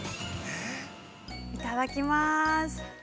◆いただきます。